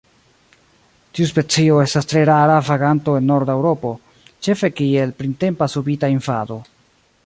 Tiu specio estas tre rara vaganto en norda Eŭropo, ĉefe kiel printempa subita invado.